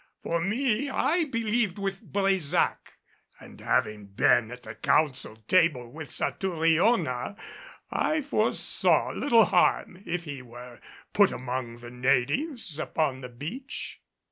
For me, I believed with Brésac and having been at the council table with Satouriona I foresaw little harm if he were put among the natives upon the beach.